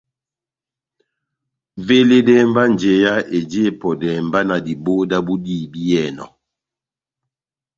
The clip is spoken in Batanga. Veledɛhɛ mba njeya eji epɔdɛhɛ mba na diboho dábu dihibiyɛnɔ.